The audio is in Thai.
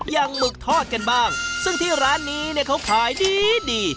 หมึกทอดกันบ้างซึ่งที่ร้านนี้เนี่ยเขาขายดีดี